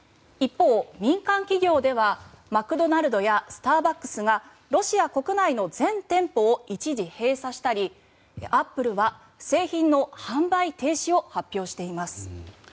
一方、民間企業ではマクドナルドやスターバックスがロシア国内の全店舗を一時閉鎖したりアップルは製品の販売停止を発表しています。